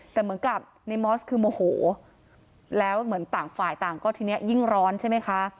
แต่เหมือนกับในมอสคือโมโหแล้วเหมือนต่างฝ่ายต่างก็ทีนี้ยิ่งร้อนใช่ไหมคะ